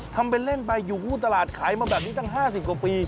ทำเป็นเล่นไปอยู่คู่ตลาดขายมาแบบนี้ตั้ง๕๐กว่าปี